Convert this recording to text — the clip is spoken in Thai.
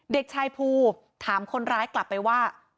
เด็กชายภูถามคนร้ายกลับไปว่า